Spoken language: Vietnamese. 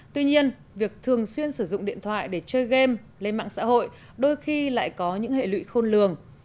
tuy nhiên việc thường xuyên sử dụng điện thoại để chơi game lên mạng xã hội đôi khi lại có những hệ lụy khôn lường